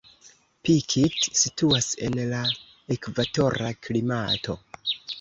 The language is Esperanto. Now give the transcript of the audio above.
Pikit situas en la ekvatora klimato.